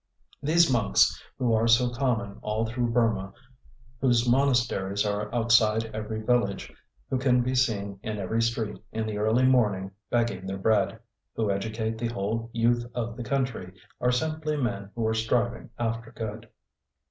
These monks, who are so common all through Burma, whose monasteries are outside every village, who can be seen in every street in the early morning begging their bread, who educate the whole youth of the country, are simply men who are striving after good.